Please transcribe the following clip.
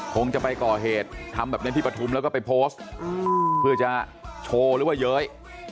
คงจะไปก่อเหตุทำแบบนี้ที่ปฐุมแล้วก็ไปโพสต์เพื่อจะโชว์หรือว่าเย้ย